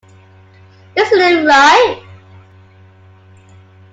Isn't it right?